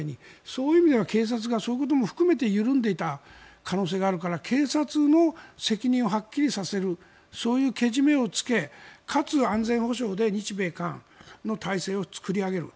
そういう意味では警察がそういうことも含めて緩んでいた可能性があるから警察の責任をはっきりさせるそういうけじめをつけかつ、安全保障で日米韓の体制を作り上げる。